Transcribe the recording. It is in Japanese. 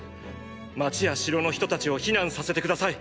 街や城の人たちを避難させて下さい。